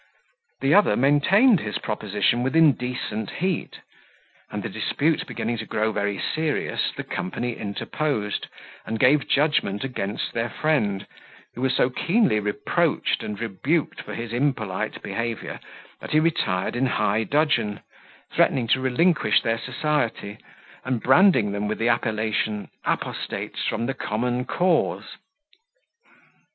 The other maintained his proposition with indecent heat; and the dispute beginning to grow very serious, the company interposed, and gave judgment against their friend, who was so keenly reproached and rebuked for his impolite behaviour, that he retired in high dudgeon, threatening to relinquish their society, and branding them with the appellation apostates from the common cause.